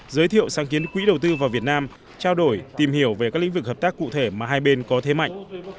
giới thiệu sáng kiến quỹ đầu tư vào việt nam trao đổi tìm hiểu về các lĩnh vực hợp tác cụ thể mà hai bên có thế mạnh